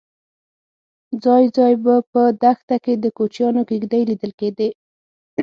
ځای ځای به په دښته کې د کوچیانو کېږدۍ لیدل کېدې.